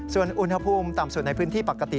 ส่วนอุณหภูมิต่ำสุดในพื้นที่ปกติ